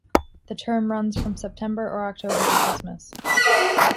The term runs from September or October to Christmas.